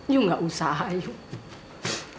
you gak usaha you